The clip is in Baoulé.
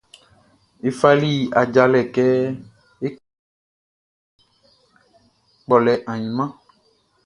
Ye fali ajalɛ kɛ é kɔ́ kpɔlɛ ainman.